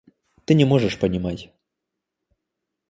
Ты не можешь понимать.